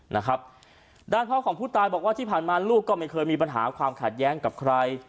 นะครับด้านพ่อของผู้ตายบอกว่าที่ผ่านมาลูกก็ไม่เคยมีปัญหาความขัดแย้งกับใคร